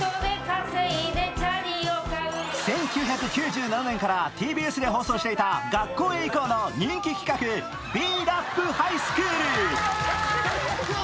１９９７年からＴＢＳで放送されていた「学校へ行こう！」の人気企画Ｂ−ＲＡＰハイスクール。